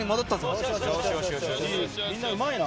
みんなうまいな。